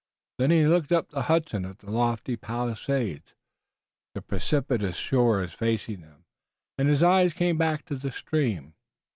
Then he looked up the Hudson at the lofty Palisades, the precipitous shores facing them, and his eyes came back to the stream.